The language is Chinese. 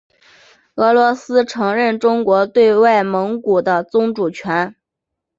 俄罗斯承认中国对外蒙古的宗主权。